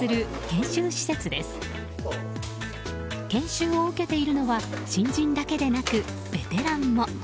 研修を受けているのは新人だけでなくベテランも。